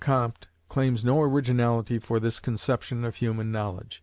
Comte claims no originality for this conception of human knowledge.